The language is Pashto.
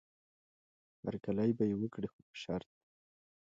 هرکلی به یې وکړي خو په شرط.